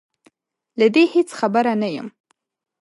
له دې هېڅ خبره نه یم